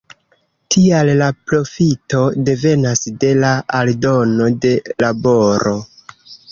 Tial la profito devenas de la aldono de laboro.